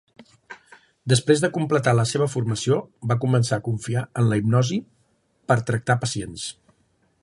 Després de completar la seva formació, va començar a confiar en la hipnosi per tractar pacients.